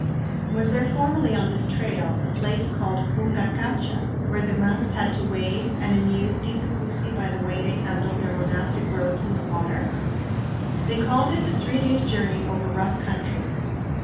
Was there formerly on this trail a place called Ungacacha where the monks had to wade, and amused Titu Cusi by the way they handled their monastic robes in the water? They called it a "three days' journey over rough country."